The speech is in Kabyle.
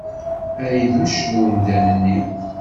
Ay d uccen umdan-nni!